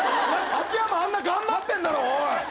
秋山あんな頑張ってんだろ！